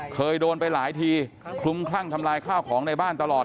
เคยโดนไปหลายทีคลุมคลั่งทำลายข้าวของในบ้านตลอด